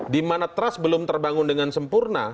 di mana trust belum terbangun dengan sempurna